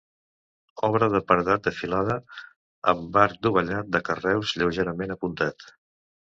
Obra de paredat de filada, amb arc dovellat, de carreus, lleugerament apuntat.